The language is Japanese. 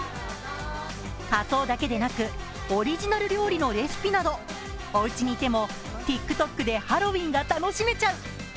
仮装だけでなく、オリジナル料理のレシピなどおうちにいてもＴｉｋＴｏｋでハロウィーンが楽しめちゃう。